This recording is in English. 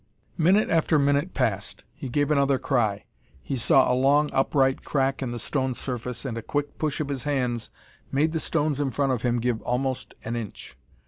Minute after minute passed. He gave another cry. He saw a long, upright crack in the stone surface, and a quick push of his hands made the stones in front of him give almost an inch.